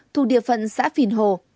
thu địa phận xã phìn hồ